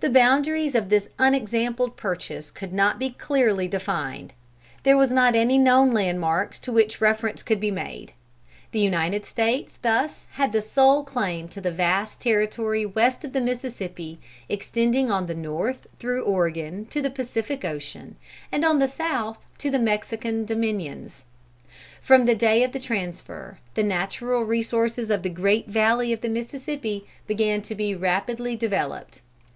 The boundaries of this unexampled purchase could not be clearly defined. There was not any known landmarks to which reference could be made. The United States thus had the sole claim to the vast territory west of the Mississippi, extending on the north through Oregon to the Pacific Ocean, and on the south to the Mexican dominions. From the day of the transfer, the natural resources of the great valley of the Mississippi began to be rapidly developed.